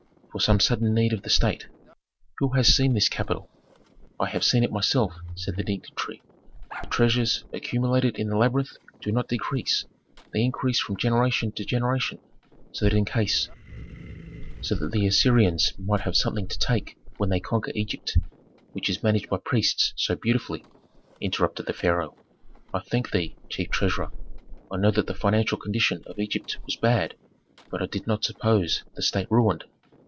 "For some sudden need of the state." "Who has seen this capital?" "I have seen it myself," said the dignitary. "The treasures accumulated in the labyrinth do not decrease; they increase from generation to generation, so that in case " "So that the Assyrians might have something to take when they conquer Egypt, which is managed by priests so beautifully!" interrupted the pharaoh. "I thank thee, chief treasurer; I knew that the financial condition of Egypt was bad, but I did not suppose the state ruined.